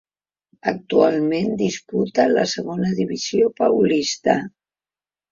Actualment disputa la segona divisió Paulista.